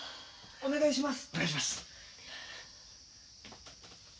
お願いします。